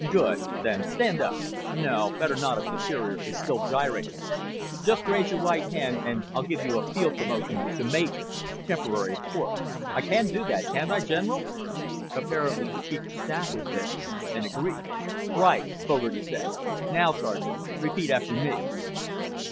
"Good. Then stand up. No, better not if Superior is still gyrating. Just raise your right hand and I'll give you a field promotion to major. Temporary, of course. I can do that, can't I, General?" Apparently the Chief of Staff was there, and agreed. "Right," Fogarty said. "Now, Sergeant, repeat after me...."